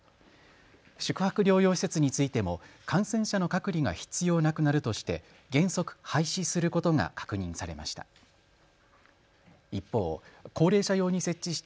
宿泊療養施設についても感染者の隔離が必要なくなるとして原則、廃止することが確認されました。